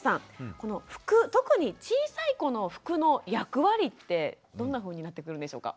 この服特に小さい子の服の役割ってどんなふうになってくるんでしょうか。